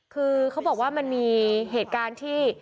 คือเขาบอกว่ามันมีเหตุการณ์ที่